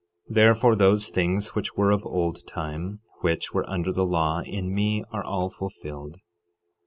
12:46 Therefore those things which were of old time, which were under the law, in me are all fulfilled.